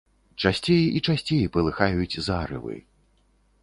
Часцей і часцей палыхаюць зарывы.